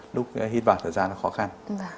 lúc hít vào thời gian nó khó khăn